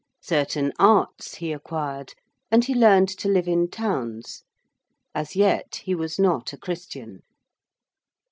Certain arts he acquired, and he learned to live in towns: as yet he was not a Christian.